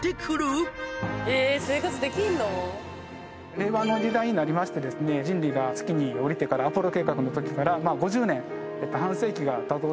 令和の時代になりまして人類が月に降りてからアポロ計画のときから５０年半世紀がたとうとしてるわけです。